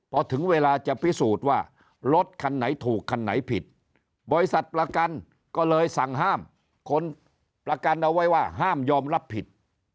พอถึงเวลาจะพิสูจน์ว่ารถคันไหนถูกคันไหนผิดบริษัทประกันก็เลยสั่งห้ามคนประกันเอาไว้ว่าห้ามยอมรับผิด